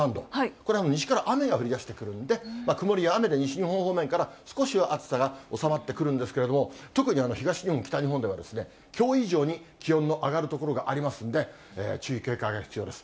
これ、西から雨が降りだしてくるんで、曇りや雨で西日本方面から少しは暑さが収まってくるんですけど、特に東日本、北日本では、きょう以上に気温の上がる所がありますんで、注意警戒が必要です。